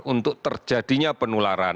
untuk terjadinya penularan